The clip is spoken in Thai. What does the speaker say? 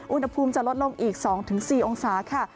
อุณหภูมิจะลดลงอีก๒๔องศาค่ะ